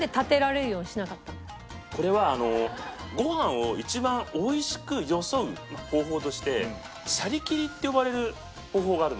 これはご飯を一番おいしくよそう方法としてシャリ切りって呼ばれる方法があるんですね。